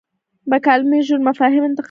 مکالمې ژور مفاهیم انتقالوي.